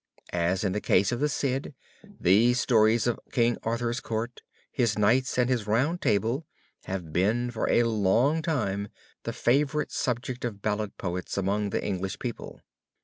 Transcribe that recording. As in the case of the Cid these stories of King Arthur's Court, his Knights and his Round Table, had been for a long time the favorite subject of ballad poets among the English people.